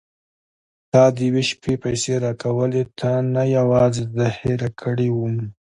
تا د یوې شپې پيسې راکولې تا نه یوازې زه هېره کړې وم.